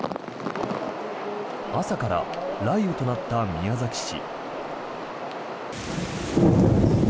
朝から雷雨となった宮崎市。